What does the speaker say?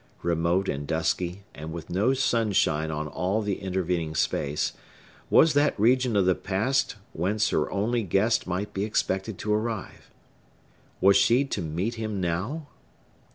Remote and dusky, and with no sunshine on all the intervening space, was that region of the Past whence her only guest might be expected to arrive! Was she to meet him now?